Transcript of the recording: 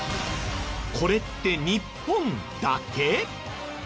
これって日本だけ？